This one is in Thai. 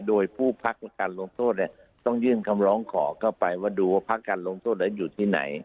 โดยผู้พักการลงโทษเนี่ยต้องยื่นคำร้องขอเข้าไปว่าดูว่าพักการลงโทษนั้นอยู่ที่ไหน